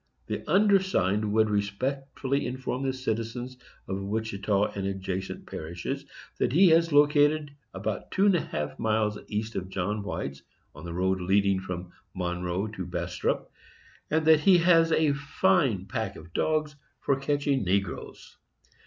The undersigned would respectfully inform the citizens of Ouachita and adjacent parishes, that he has located about 2½ miles east of John White's, on the road leading from Monroe to Bastrop, and that he has a fine pack of Dogs for catching negroes.